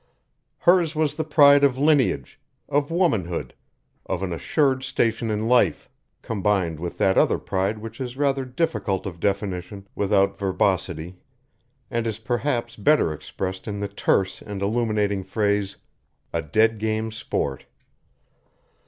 Hers was the pride of lineage, of womanhood, of an assured station in life, combined with that other pride which is rather difficult of definition without verbosity and is perhaps better expressed in the terse and illuminating phrase "a dead game sport."